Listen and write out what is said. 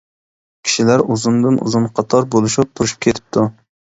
كىشىلەر ئۇزۇندىن-ئۇزۇن قاتار بولۇشۇپ تۇرۇشۇپ كېتىپتۇ.